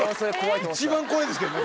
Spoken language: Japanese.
一番怖いですけどね。